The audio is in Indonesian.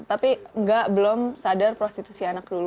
tapi enggak belum sadar prostitusi anak dulu